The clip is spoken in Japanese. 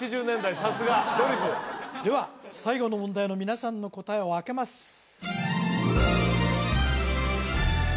８０年代さすが！では最後の問題の皆さんの答えをあけます